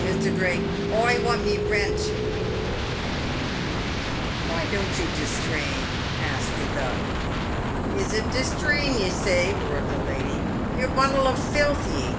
Misther Drake, oi want mee rent." 118 PAVED WITH GOLD. "Why don't you distrain ?" asked the Duck. "Is it distrain, ye say," roared the lady, "yer bundle o' filth ye!